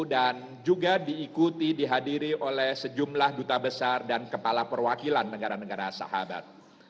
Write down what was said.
dan juga diikuti dihadiri oleh sejumlah duta besar dan kepala perwakilan negara negara sahabat